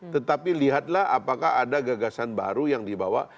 tetapi lihatlah apakah ada gagasan baru yang dibawa